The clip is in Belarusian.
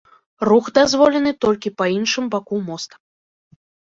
Рух дазволены толькі па іншым баку моста.